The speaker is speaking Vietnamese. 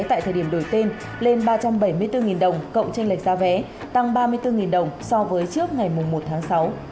tại thời điểm đổi tên lên ba trăm bảy mươi bốn đồng cộng tranh lệch giá vé tăng ba mươi bốn đồng so với trước ngày một tháng sáu